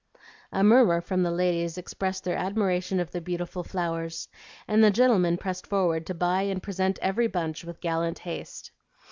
A murmur from the ladies expressed their admiration of the beautiful flowers, and the gentlemen pressed forward to buy and present every bunch with gallant haste.